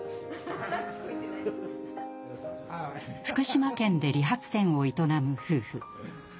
福島県で理髪店を営む夫婦。